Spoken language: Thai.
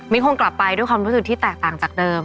คงกลับไปด้วยความรู้สึกที่แตกต่างจากเดิม